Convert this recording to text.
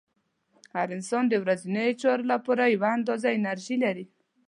هر انسان د ورځنیو چارو لپاره یوه اندازه انرژي لري.